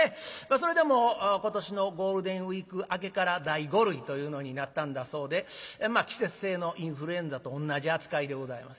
それでも今年のゴールデンウイーク明けから第５類というのになったんだそうで季節性のインフルエンザと同じ扱いでございます。